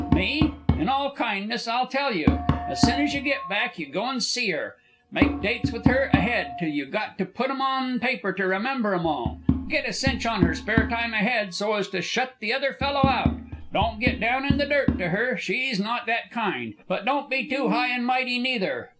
"Me? In all kindness I'll tell you. As soon as you get back you go and see her. Make dates with her ahead till you got to put 'em on paper to remember 'em all. Get a cinch on her spare time ahead so as to shut the other fellow out. Don't get down in the dirt to her, she's not that kind, but don't be too high and mighty, neither.